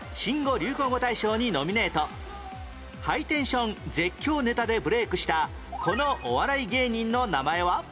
ハイテンション絶叫ネタでブレークしたこのお笑い芸人の名前は？